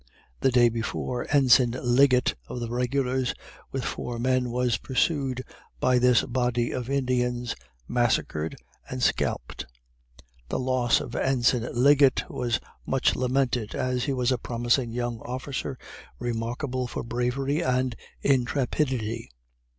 The day before, Ensign Liggett, of the regulars, with four men, was pursued by this body of Indians, massacred and scalped. The loss of Ensign Liggett was much lamented, as he was a promising young officer, remarkable for bravery and intrepidity.